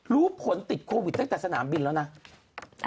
รู้ผลติดโควิดตั้งแต่สนามบินแล้วนะ